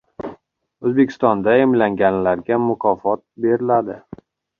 O‘zbekistonda emlanganlarga mukofot beriladi